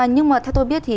nhưng mà theo tôi biết